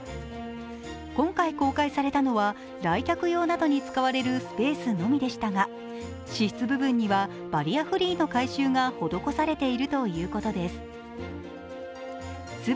今回公開されたのは、来客用などに使われるスペースのみでしたが私室部分にはバリアフリーの改修が施されているということです。